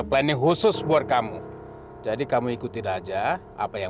sampai jumpa di video selanjutnya